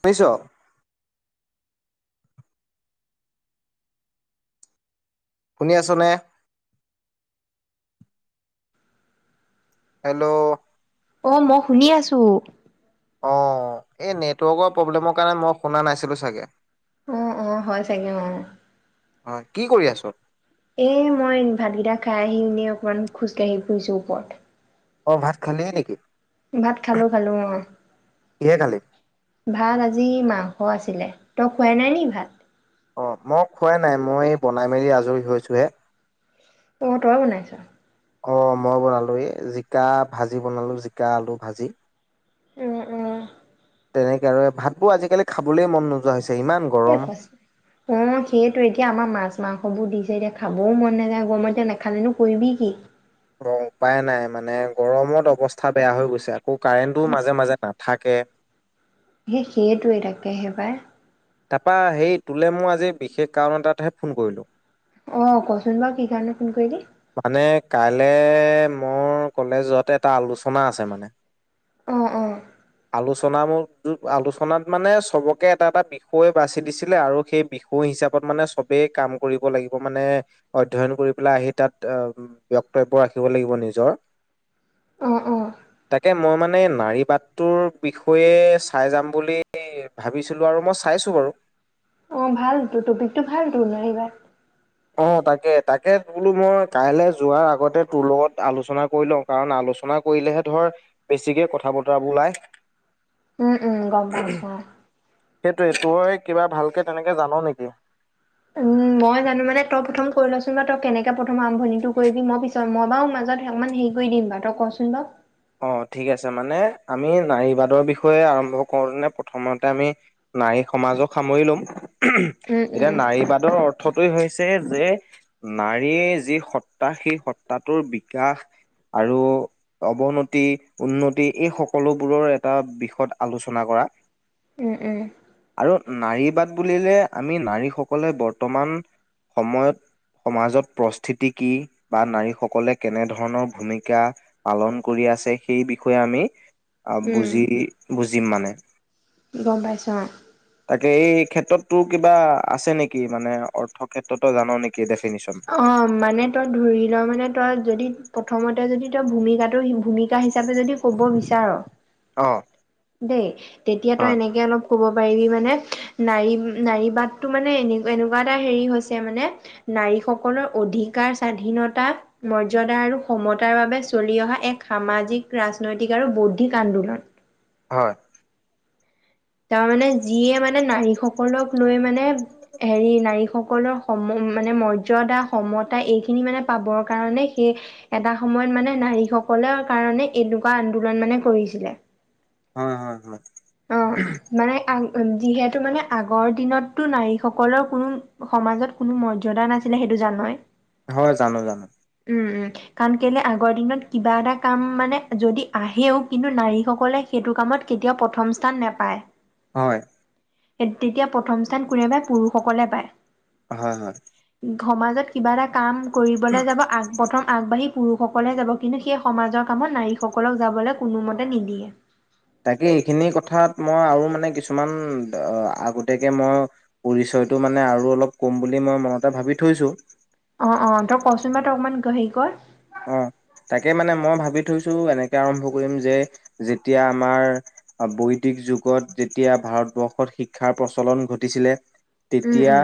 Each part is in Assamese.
বুইছ শুনি আছ নে হেল্ল' অ মই শুনি আছো অ এই নেটৱৰ্কৰ প্ৰব্লেমৰ কাৰণে মই শুনা নাছিলো চাগে অহ অ হয় চাগে অ হয় কি কৰি আছ এ মই ভাতকেইটা খাই আহি এনে অকমান খোজকাঢ়ি ফুৰিছো ওপৰত অ ভাত খালিয়েই নেকি ভাত খালো খালো অ কিহে খালি ভাত আজি মাংস আছিলে তই খোৱাই নাই নি ভাত অ মই খোৱাই নাই মই বনাই মেলি আজৰি হৈছোহে অঁ তই বনাইছ অ মই বনালো এই জিকা ভাজি বনালো জিকা আলু ভাজি উম উম তেনেকে আৰু ভাতবোৰ আজিকালি খাবলৈ মন নোযোৱা হৈছে ইমান অ গৰম সেইটোৱেই এতিয়া আমাৰ মাছ মাংস বোৰ দিছে এতিয়া খাবও মন নাযায় গৰমত এতিয়া নাখালে নো কৰিবি কি অ উপায় নাই মানে গৰমত অৱস্থা বেয়া হৈ গৈছে আৰু আকৌ কাৰেণ্টো সঁচা মাজে মাজে নাথাকে সেই সেইটোৱে তাকেহে পায় তাৰপা সেই তোলে মই আজি বিশেষ কাৰণ এটাতহে ফোন কৰিলোঁ অ কচোন বাৰু কি কাৰণে ফোন কৰিলি মানে কাইলে মোৰ কলেজতে এটা আলোচনা আছে মানে অহ অহ আলোচনা বোৰ আলোচনাত মানে চবকে এটা এটা বিষয় বিষয়ে বাচি দিছিলে আৰু সেই বিষয় হিচাপত মানে চবেই কাম কৰিব লাগিব, মানে অধ্যয়ন কৰি পেলাই আহি তাত বক্তব্য ৰাখিব লাগিব নিজৰ অঁ অ তাকে মই মানে নাৰী বাটটোৰ বিষয়ে চাই যাম বুলি ভাবিছিলো আৰু মই চাইছোঁ বাৰু অ ভালতো তপিকতো ভাল তো নাৰী বাদ অ তাকে তাকে বোলো মই কাইলৈ যোৱাৰ আগতে তোৰ লগত আলোচনা কৰি লওঁ কাৰণ আলোচনা কৰিলেহে ধৰ বেছিকে কথা বতৰাবোৰ ওলাই উম উম গম পাইছো অ সেইটোৱে তই কিবা ভালকে তেনেকে জান নেকি উম মই জানো মানে তই প্ৰথম কৰি লচোন বাৰু তই কেনেকে প্ৰথম আৰম্ভণিটো কৰিবি, মই পিছত মই বাৰু মাজত অকমান হেৰি কৰি দিম বাৰু তই কচোন বাৰু অ ঠিক আছে মানে আমি নাৰীবাদৰ বিষয়ে আৰম্ভ কৰোতে প্ৰথমতে আমি নাৰী সমাজক সামৰি লম। উম এতিয়া উম নাৰী বাদৰ অৰ্থ অৰ্থ তোয়ে হৈছে যে নাৰীৰ যি সত্তা সেই সত্তাটোৰ বিকাশ আৰু অৱনতি উন্নতি এই সকলোবোৰৰ এটা বিষয়ত আলোচনা কৰা। উম উম আৰু নাৰী বাদ বুলিলে আমি নাৰীসকলে বৰ্তমান সময়ত সমাজত প্ৰস্থিতি কি বা নাৰীসকলে কেনেধৰণৰ ভূমিকা পালন কৰি আছে। সেই বিষয়ে আমি আৰু উম বুজি বুজিম মানে। গম পাইছোঁ অঁ। তাকে এই ক্ষেত্ৰততো কিবা আছে নেকি মানে অৰ্থ ক্ষেত্ৰতো জান নেকি? ডেফিনিচন অঁ মানে তই, ধৰি ল, মানে তই যদি, প্ৰথমতে যদি, তই, ভূমিকাটো ভূমিকা হিচা চাপে যদি ক'ব বিচাৰ, অ দেই, তেতিয়া তই হয় এনেকে অলপ ক'ব পাৰিবি মানে, নাৰী, নাৰীবাদটো মানে, এনে, এনেকুৱা এটা হেৰি হৈছে মানে, নাৰী সকলৰ অধিকাৰ, স্বাধীনতা, মৰ্যাদা, আৰু সমতাৰ বাবে চলি অহা, এক সামাজিক, ৰাজনৈতিক আৰু বৌদ্ধিক আন্দোলন হয়। তাৰ মানে, যিয়ে মানে, নাৰী সকলক লৈ মানে‌ মানে, হেৰি, নাৰী সক সকলৰ সম, মানে মৰ্যদা, সমতা, ‌ এইখিনি মানে পাবৰ কাৰণে, সেই এটা সময়ত মানে, নাৰীসকলৰ কাৰণে এনেকুৱা আন্দোলন মানে কৰিছিলে হয় হয় হয়। অঁ মানে অঁ উম যিহেতু মানে, আগৰ দিনত তো, নাৰীসকলৰ কোনো সমাজত কোনো মৰ্যদা নাছিলে সেইটো জান‌ই হয়, জানো! জানো! উ! উ! কাৰণ কেলে, আগৰ দিনত কিবা এটা কাম মানে যদি আহেও, কিন্তু নাৰীসকলে সেইটো কামত কেতিয়াও প্ৰথম স্থান নেপায় হয়! তেতিয়া প্ৰথম স্থান কোনেবাই পুৰুষসকলে পায়। হয় হয় হয়। সমাজত কিবা এটা কাম কৰিবলৈ যাব, আগ, প্ৰথম আগবাঢ়ি পুৰুষসকলে যাব, কিন্তু সেই সমাজৰ কামত নাৰীসকলক যাবলৈ কোনোমতে নিদিয়ে তাকে এইখিনি কথাত‌ মই আৰু মানে, কিছুমান আগতীয়াকে মই, পৰিচয়টো মানে আৰু অলপ কম বুলি মই মনতে ভাবি থৈছোঁ অ' অ', তই কচোন বাৰু তই অকমান হেৰি কৰ অ, তাকে মানে মই ভাবি থৈছো এনেকে আৰম্ভ কৰিম যে, যেতিয়া আমাৰ বৈদিক যুগত যেতিয়া ভাৰতবৰ্ষত শিক্ষাৰ প্ৰচলন ঘটিছিলে উম তেতিয়া উম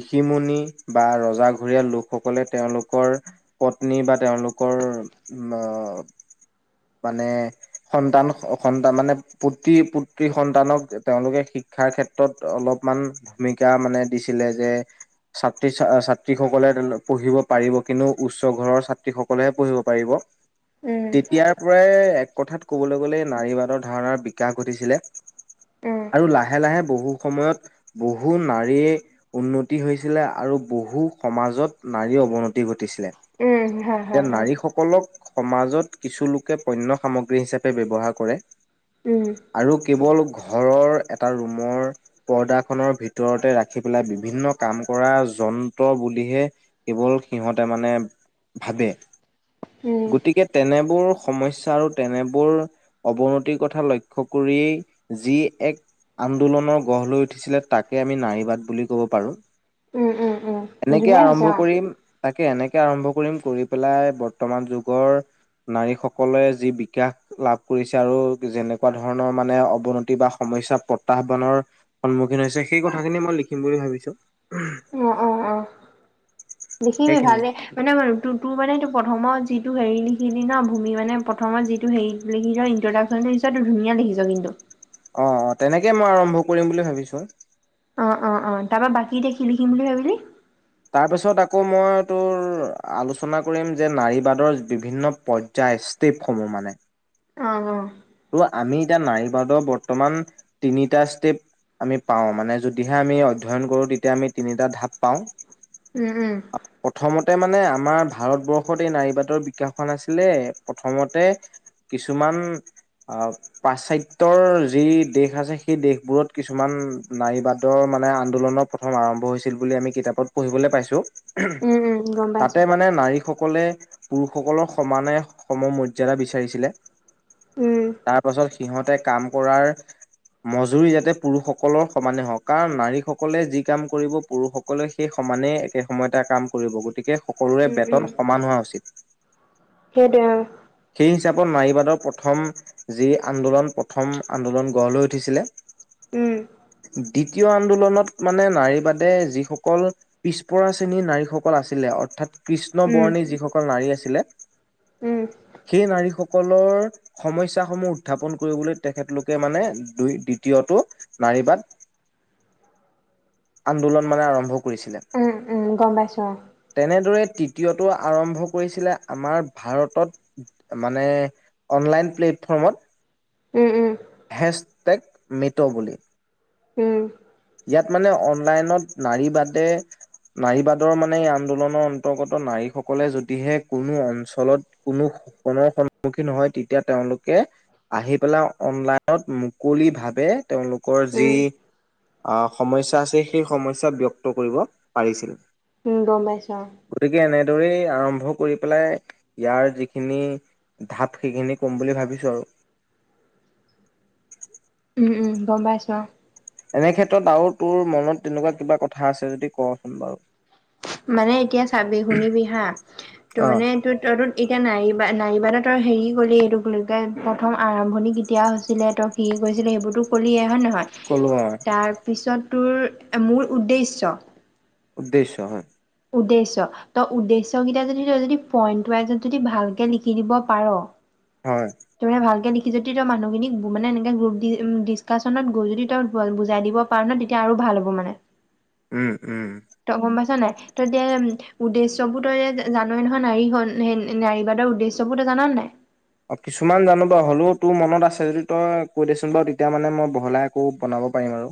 ঋষিমুনি বা ৰজা ঘৰীয়া লোকসকলে, তেওঁলোকৰ পত্নী বা তেওঁলোকৰ উ, মানে সন্তান সন্তান, মানে, পুত্ৰী, পুত্ৰী সন্তানক তেওঁলোকে শিক্ষাৰ ক্ষেত্ৰত অলপমান ভূমিকা মানে দিছিলে যে, ছাত্ৰী, ছাত্ৰীসকলে পঢ়িব পাৰিব, কিন্তু উচ্চ ঘৰৰ সকলেহে পঢ়িব পাৰিব উম তেতিয়াৰ পৰাই তেওঁলোকৰ কথাত ক'বলৈ গ'লে নাৰীবাদৰ ধাৰণাৰ বিকাশ ঘটিছিলে, উম আৰু লাহে লাহে বহু সময়ত বহু নাৰীৰ উন্নতি হৈছিলে, আৰু বহু সমাজত নাৰীৰ অৱনতি ঘট ঘতিছিলে উম হয় এতিয়া হয় নাৰীসকলক সমাজত কিছু লোকে পণ্য সামগ্ৰী হিচাপে ব্যৱহাৰ কৰে উম আৰু কেৱল ঘ ঘৰৰ এটা ৰুমৰ পৰ্দাখনৰ ভিতৰতে ৰাখি পেলাই বিভিন্ন কাম কৰা যন্ত্ৰ বুলিহে কেৱল সিহঁতে মানে ভাবে, উম গতিকে তেনেবোৰ সমস্যা আৰু তেনেবোৰ অৱনতিৰ কথা লক্ষ্য কৰিয়েই যি এক আন্দোলনৰ গঢ় লৈ উঠিছিলে, তাকে আমি নাৰীবাদ বুলি কব পাৰো। উম উম উম উম এনেকে ধুনীয়া হৈছে আৰম্ভ অ কৰিম, তাকে এনেকে আৰম্ভ কৰিম কৰি পেলাই বৰ্তমান যুগৰ, নাৰী সকলে যি বিকাশ লাভ কৰিছে, আৰু যেনেকুৱা ধৰণৰ মানে অৱনতি বা সমস্যা প্ৰত্যাহ্বানৰ সন্মুখীন হৈছে, সেই কথাখিনি মই লিখিম বুলি ভাবিছো অ অ অ, লিখিবি সেইখিনি ভালে, মানে তো তোৰ মানে সেইটো প্ৰথমত যিটো হেৰি লিখিলি ন ভূমি মানে প্ৰথমত যিটো হেৰি লিখিছ ইট্ৰডাকচন লিখিছ সেইটো ধুনীয়া লিখিছ কিন্তু। অ অ তেনেকে মই আৰম্ভ কৰিম বুলি ভাবিছো। অ অ অ তাৰ পৰা বাকী এতিয়া কি লিখিম বুলি ভাৱিলি? তাৰপিছত আকৌ মই তোৰ আলোচনা কৰিম যে নাৰীবাদৰ বিভিন্ন পৰ্যায় ষ্টেপসমূহ মানে। অ অ। ত' আমি এতিয়া নাৰীবাদৰ বৰ্তমান তিনিটা ষ্টেপ আমি পাও মানে যদিহে আমি অধ্যয়ন কৰো তেতিয়া আমি তিনিটা ঢাপ পাও। উম উম। তে মানে আমাৰ ভাৰতবৰ্ষত এই নাৰীবাদৰ বিকাশ হোৱা নাছিলে প্ৰথমতে কিছুমান অহ পাশ্চাত্যৰ যি দেশ আছে সেই দেশবোৰত কিছুমান নাৰীবাদৰ মানে আন্দোলনৰ প্ৰথম আৰম্ভ হৈছিল বুলি আমি কিতাপত পঢ়িবলৈ পাইছো। উম উম গম তাতে পাইছো মানে নাৰী সকলে পুৰুষসকলৰ সমানে সম মৰ্যাদা বিচাৰিছিলে। উম উম তাৰ পাছত সিহঁতে কাম কৰাৰ মজুৰি যাতে পুৰুষসকলৰ সমানে হওক কাৰণ নাৰীসকলে যি কাম কৰিব পুৰুষসকলে সেই সমানে একে সময়তে কাম কৰিব ।গতিকে সকলোৰে বেতন সমান হোৱা উচিত। সেইটোয়ে অ। সেই হিচাপত নাৰীবাদৰ প্ৰথম যি আন্দোলন প্ৰথম আন্দোলন গঢ় লৈ উঠিছিলে উম দ্বিতীয় আন্দোলনত মানে নাৰী বাদে যিসকল পিছপৰা শ্ৰেণীৰ নাৰীসকল আছিলে অৰ্থাৎ কৃষ্ণ উম বৰ্ণী যিসকল নাৰী আছে ছিলে উম সেই নাৰীসক সকলৰ সমস্যাসমূহ উত্থাপন কৰিবলৈ তেখেতলোকে মানে দুই দ্বিতীয়টো নাৰী বাদ আন্দোলন মানে আৰম্ভ কৰিছিলে। উম উম গম পাইছো অ তেনেদৰে তৃ তীয়টো আৰম্ভ কৰিছিলে আমাৰ ভাৰতত, মানে অনলাইন প্লেটফৰ্মত উম উম। হেছটেগ মিট' বুলি। উম। ইয়াত মানে অনলাইনত নাৰী বাদে নাৰী বাদৰ মানে এই আন্দোলনৰ অন্তৰ্গত নাৰীসকলে যদিহে কোনো অঞ্চলত কোনো সপনৰ সন্মুখীন হয় তেতিয়া তেওঁলোকে আহি পেলাই অনলাইনত মুকলি ভাৱে তেওঁলোকৰ যি উম অ' সমস্যা আছে, সেই সমস্যা ব্যক্ত কৰিব পাৰিছিল। উম, গম পাইছো অ'। গতিকে এনেদৰেই আৰম্ভ কৰি পেলাই ইয়াৰ যিখিনি, ঢাপ সেইখিনি কম বুলি ভাবিছো আৰু। উম উম গম পাইছো অ'। এনেক্ষেত্ৰত আৰু তোৰ মনত তেনেকুৱা কিবা কথা আছে যদি ক'চোন বাৰু। মানে এতিয়া চাবি শুনিবি হা। তোৰ অ মানে [unintelligible] এতিয়া নাৰী বা নাৰীবাদৰ তই হেৰি ক'লি এইটো কি বুলি কয়, প্ৰথম আৰম্ভণি কেতিয়া হৈছিলে? ত কি কৰিছিলে সেইবোৰতো ক'লিয়ে হয় নহয়? কলো অ হয়। তাৰপিছত তোৰ-মোৰ উদ্দেশ্য উদ্দেশ্য, হয়। উদ্দেশ্য, তই উদ্দেশ্যকেইটা যদি তই যদি পইন্ট ওৱাইজত যদি ভালকে লিখি দিব পাৰ! হয় তয়ে ভালকে লিখি যদি তই মানুহখিনিক মানে, এনে গ্ৰুপ ডিচকাচনত গৈ যদি তই বুজাই দিব পাৰ ন? তেতিয়া আৰু ভাল হ'ব মানে। উম, উম। তই গম পাইছ নাই? উদ্দেশ্যবোৰ তই জানই নহয়? নাৰী-নাৰীবাদৰ উদ্দেশ্যবোৰ তই জান নাই? অ, কিছুমান জানো বাৰু হ'লেও তোৰ মনত আছে যদি তই কৈ দেচোন বাৰু, তেতিয়া মানে মই বহলাই আকৌ বনাব পাৰিম আৰু।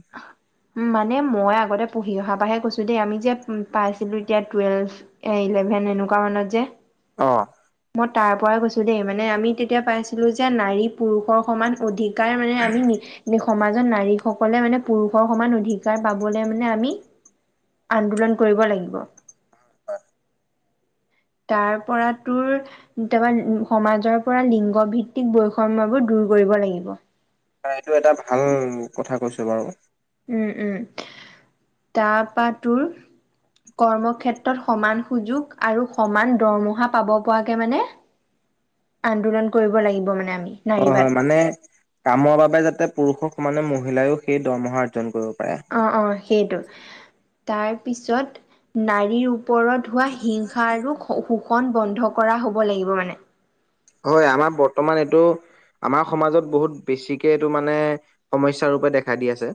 উম মানে মই আগতে পঢ়ি অহা তাপাহে কৈছো দেই আমি যে, পাইছিলো এতিয়া টুৱেল্ভ, এ-ইলেভেন এনেকুৱা মানত যে! অ মই তাৰ। পৰা গৈছোঁ দেই। মানে, আমি তেতিয়া পাইছিলোঁ যে নাৰী পুৰুষৰ সমান অধিকাৰ কাৰ মানে আমি সমাজৰ নাৰীসকল সকলে মানে পুৰুষৰ সমান অধিকাৰ পাবলৈ মানে আমি, আন্দোলন কৰিব লাগিব। তাৰ পৰা তোৰ, তাৰপৰা সমাজৰ পৰা লিংগভিত্তিক বৈষম্যবোৰ দূৰ কৰিব লাগিব। এইটো এটা ভাল কথা কৈছো বাৰু! উম উম। তাৰপা তোৰ, কৰ্মক্ষেত্ৰত সমান সুযোগ আৰু সমান দৰমহা পাব পৰাকে মানে, আন্দোলন কৰিব লাগিব মানে আমি। হয় নাৰীবাদ হয় মানে, কামৰ বাবে যাতে পুৰুষক। মানে মহিলায়ো সেই দৰমহা অৰ্জন কৰিব। পাৰে। অ' অ' সেইটো। তাৰপিছত নাৰীৰ। ওপৰত হোৱা হিংসা আৰু শোষ কণ বন্ধ কৰা হ'ব লাগিব মানে। হয় আমাৰ বৰ্তমান এইটো, আমাৰ সমাজত বহুত বেছিকে এইটো মানে সমস্যাৰ ৰূপে দেখা দি আছে।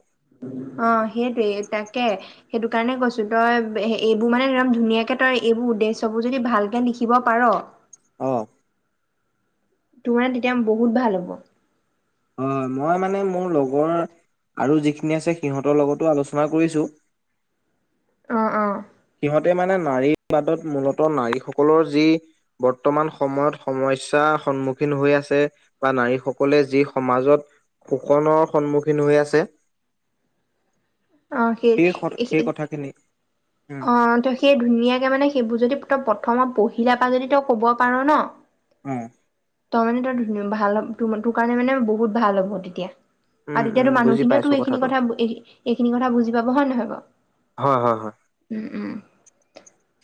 অ' সেইটোৱে তাকে। সেইটোকাৰণে কৈছো তই এইবোৰ মানে একদম ধুনীয়াকে তই এইবোৰ উদ্দেশ্যবোৰ যদি ভালকে লিখিব পাৰ! অ'। তোমাৰ তেতিয়া বহুত ভাল হ'ব। হয় মই মানে মোৰ লগৰ আৰু যিখিনি আছে সিহঁতৰ লগতো আলোচনা কৰিছোঁ। অ অ। সিহঁতে মানে নাৰীবাদত মূলতঃ নাৰীসকলৰ যি বৰ্তমান সময়ত সমস্যাৰ সন্মুখীন হৈ আছে বা নাৰীসকলে যি সমাজত শোষণৰ সন্মুখীন হৈ আছে। অ সেই। সেই কথাখিনি উম অ ত সেই ধুনীয়াকে মানে সেইবোৰ যদি তই প্ৰথমত পঢ়ি। আহিলা পা যদি তই ক'ব পাৰ ন। উম। তই মানে তই ভাল হ'লে তোৰ কাৰণে মানে বহুত ভাল হ'ব তেতিয়া। আৰু তেতিয়াতো উম বুজি মানুহখিনিয়েও পাইছো তো এইখিনি কথাটো কথা এইখিনি কথা বুজি পাব হয়ে নহয় হয় হয় হয় বাৰু। উম।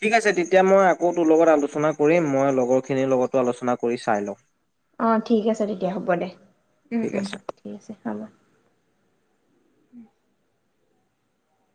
ঠিক আছে তেতিয়া মই আকৌ তোৰ লগত আলোচনা কৰিম মই লগৰখিনিৰ লগতো আলোচনা কৰি চাই লম। অ ঠিক আছে তেতিয়া হ'ব দে ঠিক আছে ঠিক আছে হ'ব। [unintelligible]